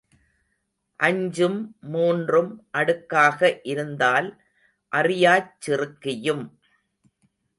அஞ்சும் மூன்றும் அடுக்காக இருந்தால் அறியாச் சிறுக்கியும்.